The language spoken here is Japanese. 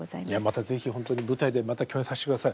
また是非ほんとに舞台でまた共演させてください。